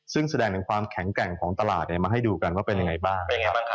ซึ่งแสดงถึงความแข็งแกร่งของตลาดมาให้ดูกันว่าเป็นยังไงบ้างนะครับ